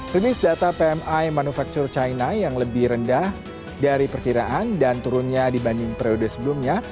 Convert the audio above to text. rilis data pmi manufaktur china yang lebih rendah dari perkiraan dan turunnya dibanding periode sebelumnya